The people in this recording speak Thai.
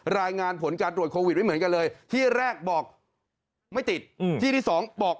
รายงานผลการตรวจโควิดไม่เหมือนกันเลยที่แรกบอกไม่ติดที่ที่สองบอก